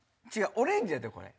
オレンジやでこれ。